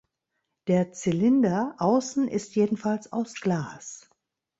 Der Zylinder außen ist jedenfalls aus Glas.